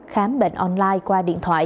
khám bệnh online qua điện thoại